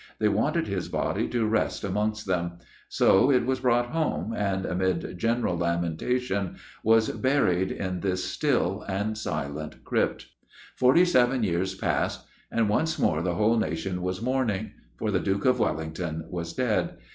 They wanted his body to rest amongst them; so it was brought home, and, amid general lamentation, was buried in this still and silent crypt. Forty seven years passed; and once more the whole nation was mourning, for the Duke of Wellington was dead.